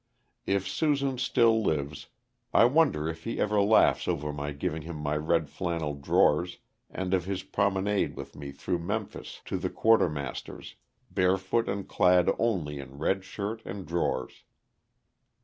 If "Susan" still lives, I wonder if he ever laughs over my giving him my red flannel drawers and of his promenade with me through Memphis to the Quartermaster's, barefoot and clad only in red shirt and drawers.